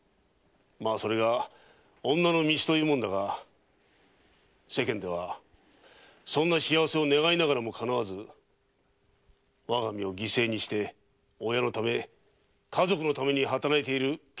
まあそれが女の道というものだが世間ではそんな幸せを願いながらかなわず我が身を犠牲にして親のため家族のために働いているけなげな女たちもいる。